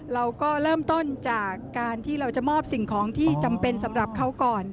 เราก็เริ่มต้นจากการที่เราจะมอบสิ่งของที่จำเป็นสำหรับเขาก่อน